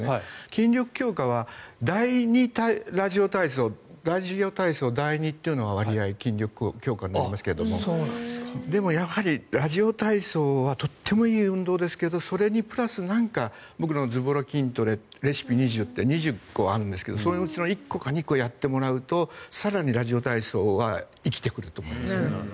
筋力強化はラジオ体操第２というのは筋力強化になりますがでも、ラジオ体操はとてもいい運動ですがそれにプラス何か僕のずぼら筋トレレシピ２０２０個あるんですけどそのうちの１個か２個やってもらうと更にラジオ体操が生きてくると思いますね。